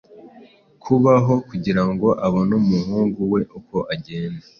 Kubaho kugirango abone umuhungu we uko agenda